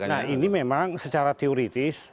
nah ini memang secara teoritis